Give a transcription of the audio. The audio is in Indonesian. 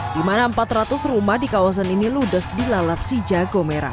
dimana empat ratus rumah di kawasan ini ludos dilalap si jago merah